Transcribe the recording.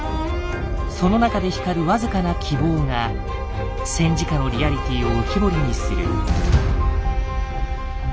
その中で光る僅かな希望が戦時下のリアリティーを浮き彫りにする。